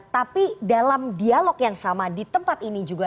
tapi dalam dialog yang sama di tempat ini juga